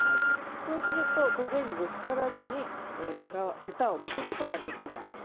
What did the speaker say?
そうするととげにぶつからずにヘタをむくことができます。